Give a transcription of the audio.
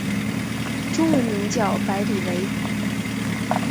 中文名叫白理惟。